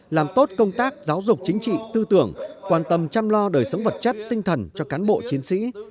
làm tốt công tác giáo dục chính trị tư tưởng quan tâm chăm lo đời sống vật chất tinh thần cho cán bộ chiến sĩ